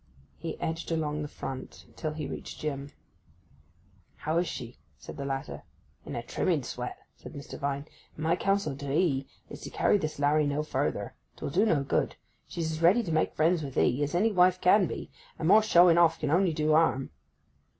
He edged along the front till he reached Jim. 'How is she?' said the latter. 'In a trimming sweat,' said Mr. Vine. 'And my counsel to 'ee is to carry this larry no further. 'Twill do no good. She's as ready to make friends with 'ee as any wife can be; and more showing off can only do harm.